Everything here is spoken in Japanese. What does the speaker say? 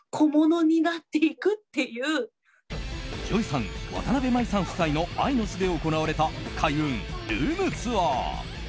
ＪＯＹさんわたなべ麻衣さん夫妻の愛の巣で行われた開運ルームツアー。